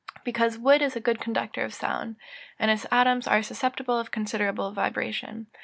_ Because wood is a good conductor of sound, and its atoms are susceptible of considerable vibration.